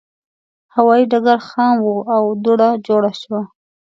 هوایي ډګر خام و او دوړه جوړه شوه.